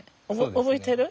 覚えてる？